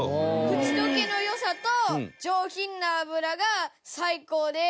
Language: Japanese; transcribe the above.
口溶けの良さと上品な脂が最高で。